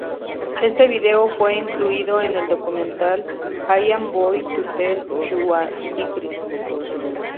Este vídeo fue incluido en el documental "I'm Going to Tell You a Secret".